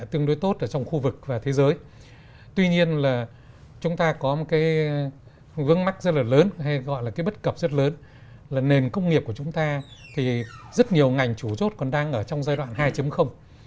tuy nhiên là chúng ta có một cái vấn mắc rất là lớn hay gọi là cái bất cập rất lớn là nền công nghiệp của chúng ta thì rất nhiều ngành chủ chốt còn đang ở trong giai đoạn hai